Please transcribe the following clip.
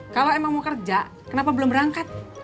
kalau emang mau kerja kenapa belum berangkat